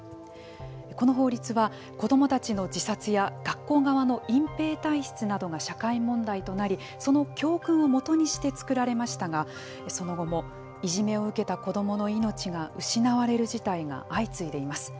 この法律は、子どもたちの自殺や学校側の隠蔽体質などが社会問題となりその教訓を基にして作られましたが、その後もいじめを受けた子どもの命が失われる事態が相次いでいます。